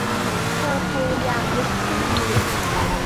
เธอพยายามลุกขึ้นยืน